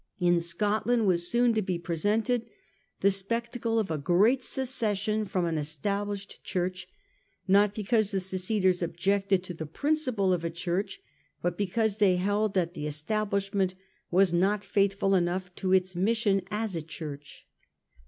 In Scotland was soon to be presented the spectacle of a great secession from an Established Church, not because the seceders objected to the principle of a Church, but because they held that the Establishment was not faithful enough to its mission as a Church.